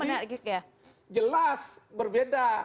jadi jelas berbeda